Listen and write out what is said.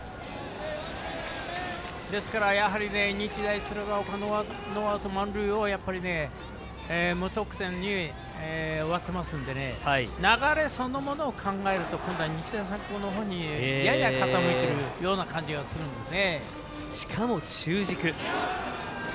ですから、日大鶴ヶ丘のノーアウト満塁を無得点に終わってますので流れそのものを考えると今度は日大三高の方にやや傾いてるような感じがしかも中軸。